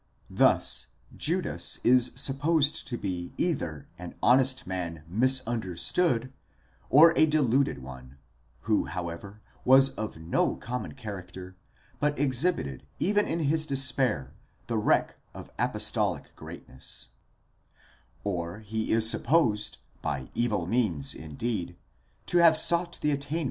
Thus Judas is supposed to be either an honest man misunderstood,® or a deluded one, who however was of no common character, but exhibited even in his despair the wreck of apostolic greatness ;7 or, he is supposed, by evil means, indeed, to have sought the attainment of an 5 Kaiser, bibl.